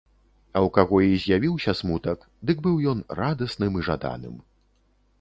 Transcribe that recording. А ў каго і з'явіўся смутак, дык быў ён радасным і жаданым.